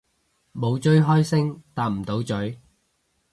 冇追開星搭唔到咀